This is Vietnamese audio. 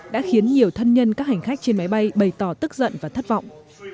đã khiến nhiều thân nhân các hành khách trên máy bay bày tỏ tức giận và thất vọng